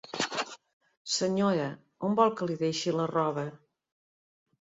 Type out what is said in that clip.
Senyora, on vol que li deixi la roba?